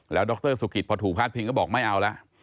ดรสุกิตพอถูกพาดพิงก็บอกไม่เอาละ